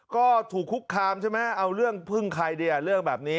ก็ถูกคุกคามใช่ไหมเอาเรื่องพึ่งใครดีอ่ะเรื่องแบบนี้